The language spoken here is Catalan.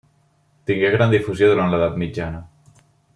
Tingué gran difusió durant l'edat mitjana.